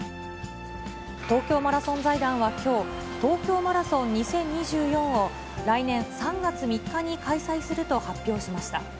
東京マラソン財団はきょう、東京マラソン２０２４を、来年３月３日に開催すると発表しました。